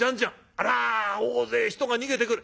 あら大勢人が逃げてくる。